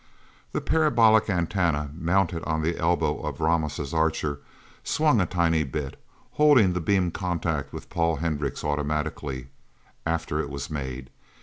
The parabolic antenna mounted on the elbow of Ramos' Archer, swung a tiny bit, holding the beam contact with Paul Hendricks automatically, after it was made.